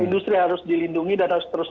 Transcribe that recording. industri harus dilindungi dan harus terus